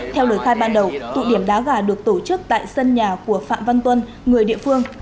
theo lời khai ban đầu tụ điểm đá gà được tổ chức tại sân nhà của phạm văn tuân người địa phương